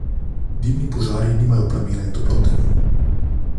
Dimni požari nimajo plamena in toplote.